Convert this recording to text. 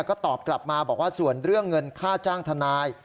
ก็ตอบกลับมาบอกว่าส่วนเรื่องเงินค่าจ้างทนาย